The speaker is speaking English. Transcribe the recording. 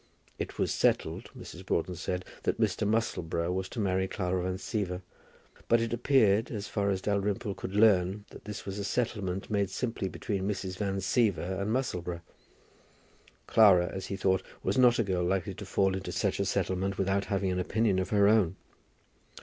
It was settled, Mrs. Broughton said, that Mr. Musselboro was to marry Clara Van Siever. But it appeared, as far as Dalrymple could learn, that this was a settlement made simply between Mrs. Van Siever and Musselboro. Clara, as he thought, was not a girl likely to fall into such a settlement without having an opinion of her own.